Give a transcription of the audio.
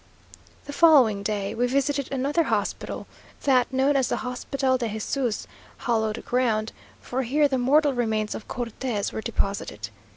The following day we visited another hospital; that known as the Hospital de Jesús hallowed ground; for here the mortal remains of Cortes were deposited.